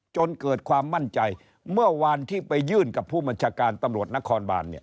จนเกิดความมั่นใจเมื่อวานที่ไปยื่นกับผู้บัญชาการตำรวจนครบานเนี่ย